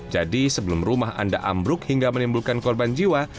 jadi sebelum rumah anda ambruk hingga menimbulkan korban jiwa